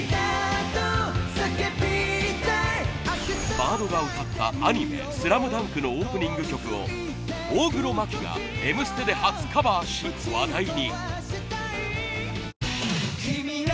ＢＡＡＤが歌ったアニメ『スラムダンク』のオープニング曲を大黒摩季が『Ｍステ』で初カバーし話題に。